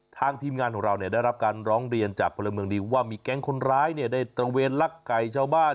ทีมงานของเราได้รับการร้องเรียนจากพลเมืองดีว่ามีแก๊งคนร้ายได้ตระเวนลักไก่ชาวบ้าน